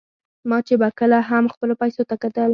ما چې به کله هم خپلو پیسو ته کتل.